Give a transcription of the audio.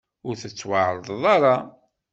Ur tettwaɛerḍeḍ ara.